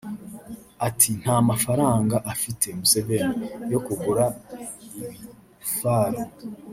Ati” Nta mafaranga afite[Museveni] yo kugura ibifaru